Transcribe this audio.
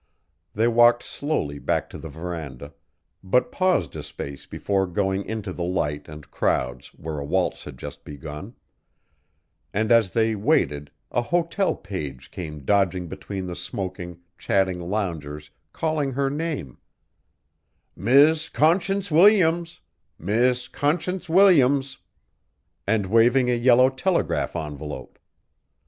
They walked slowly back to the verandah, but paused a space before going into the light and crowds where a waltz had just begun and as they waited a hotel page came dodging between the smoking, chatting loungers calling her name "Miss Conscience Williams Miss Conscience Williams," and waving a yellow telegraph envelope.